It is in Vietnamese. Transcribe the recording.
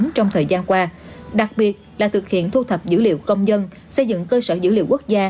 trong thời gian qua đặc biệt là thực hiện thu thập dữ liệu công dân xây dựng cơ sở dữ liệu quốc gia